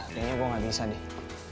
aduh ini gue gak bisa nih